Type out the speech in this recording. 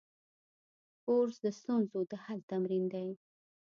کورس د ستونزو د حل تمرین دی.